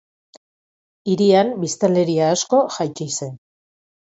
Hirian biztanleria asko jaitsi zen.